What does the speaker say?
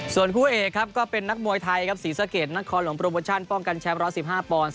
ส่วนคู่เอกครับก็เป็นนักมวยไทยครับศรีสะเกดนครหลวงโปรโมชั่นป้องกันแชมป์๑๑๕ปอนด์